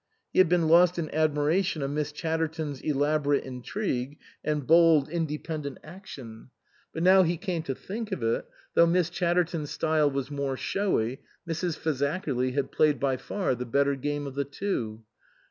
He had been lost in admiration of Miss Chatter ton's elaborate intrigue and bold independent 137 THE COSMOPOLITAN action ; but now he came to think of it, though Miss Chatterton's style was more showy, Mrs. Fazakerly had played by far the better game of the two.